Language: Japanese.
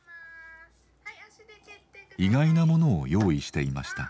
意外なものを用意していました。